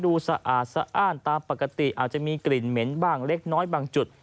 สะอาดสะอ้านตามปกติอาจจะมีกลิ่นเหม็นบ้างเล็กน้อยบางจุด